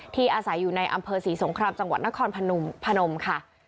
อาศัยอยู่ในอำเภอศรีสงครามจังหวัดนครพนมค่ะ